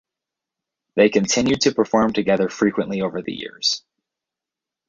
They continued to perform together frequently over the years.